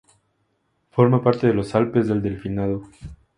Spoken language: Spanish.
Forma parte de los Alpes del Delfinado.